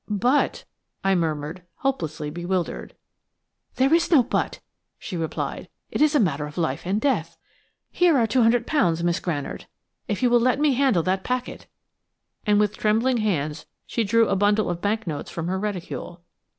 "But–" I murmured, hopelessly bewildered. "There is no 'but,' she replied. "It is a matter of life and death. Her are £200, Miss Granard, if you will let me handle that packet," and with trembling hands she drew a bundle of bank notes from her reticule.